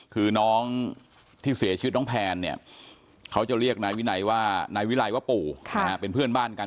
คือน้องที่เสียชีวิตน้องแพนเนี่ยเขาจะเรียกนายวินัยว่านายวิรัยว่าปู่เป็นเพื่อนบ้านกัน